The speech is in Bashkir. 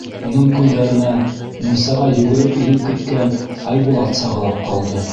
Уның күҙҙәренә мунсаға йүгереп инеп киткән Айбулат сағылып ҡалды.